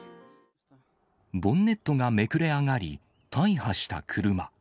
ボンネットがめくれ上がり、大破した車。